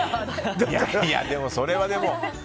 いやそれはでも。